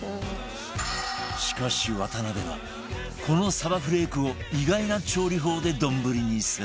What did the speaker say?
しかし渡邊はこのさばフレークを意外な調理法で丼にする